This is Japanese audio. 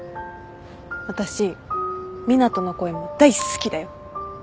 私湊斗の声も大好きだよ。